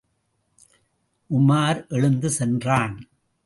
உமார் எழுந்து சென்றான்.